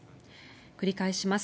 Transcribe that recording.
繰り返します。